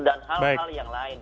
hal hal yang lain